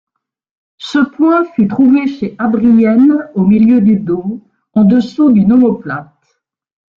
Ce point fut trouvé chez Adrienne au milieu du dos, en dessous d’une omoplate.